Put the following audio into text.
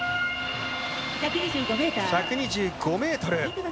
１２５ｍ。